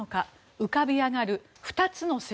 浮かび上がる２つの説。